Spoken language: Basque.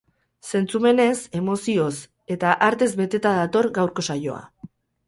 Zentzumenez, emozioz eta artez beteta dator gaurko saioa.